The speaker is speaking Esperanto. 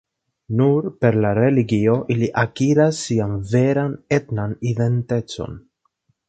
Nur per la religio ili akiris sian veran etnan identecon.